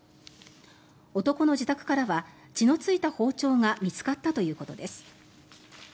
男の自宅からは血のついた包丁が見つかったということです。